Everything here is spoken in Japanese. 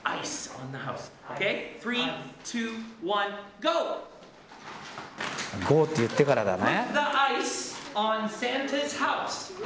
ゴーって言ってからだね。